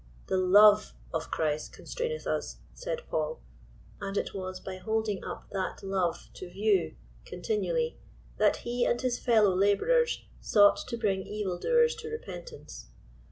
"The love of Christ constraineth us," said Paul } and it was by holding up that love to view continually, that he and his fellow laborers sought to bring evil doers to repentance.